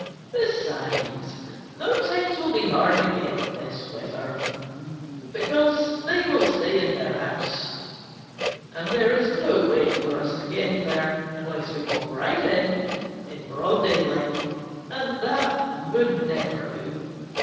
Besides, those hens will be hard to get this weather, because they will stay in their house, and there is no way for us to get in there unless we walk right in, in broad daylight, and that would never do.